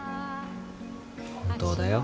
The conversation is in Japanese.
本当だよ。